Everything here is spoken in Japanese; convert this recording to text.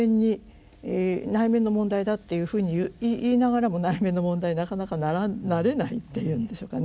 内面の問題だっていうふうに言いながらも内面の問題になかなかなれないっていうんでしょうかね。